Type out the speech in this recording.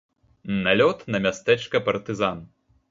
Налёт на мястэчка партызан.